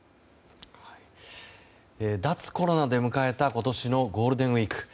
脱コロナで迎えた今年のゴールデンウィーク。